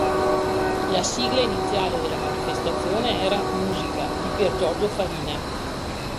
La sigla iniziale della manifestazione era "Musica" di Piergiorgio Farina.